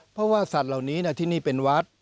เพราะว่าสัตว์เหล่านี้ที่นี่เป็นวัด